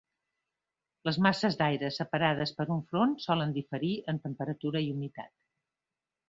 Les masses d'aire separades per un front solen diferir en temperatura i humitat.